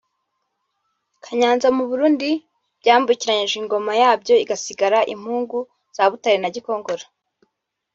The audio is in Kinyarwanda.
Kayanza mu Burundi byambukiranyije ingoma ya byo igasingira impugu za Butare na Gikongoro